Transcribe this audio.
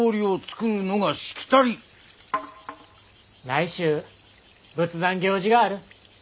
来週仏壇行事がある。